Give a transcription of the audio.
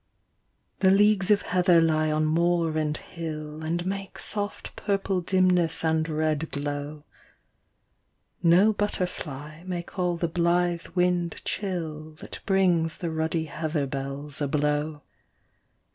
The leagues of heather lie on moor and hill, And make soft purple dimness and red glow ; No butterfly may call the blithe wind chill That brings the ruddy heather bells a blow.